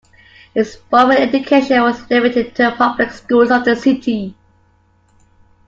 His formal education was limited to the public schools of the city.